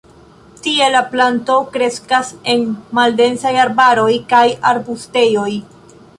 Tie la planto kreskas en maldensaj arbaroj kaj arbustejoj.